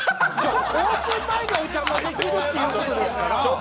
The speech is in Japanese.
オープン前にお邪魔できるということですから